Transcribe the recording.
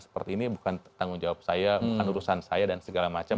seperti ini bukan tanggung jawab saya bukan urusan saya dan segala macam